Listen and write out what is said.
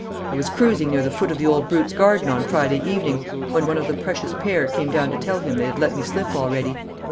I was cruising near the foot of the old brute's garden on Friday evening when one of the precious pair came down to tell him they had let me slip already.